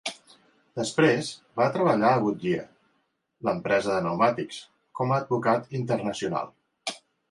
Després va treballar a Goodyear, l'empresa de pneumàtics, com a advocat internacional.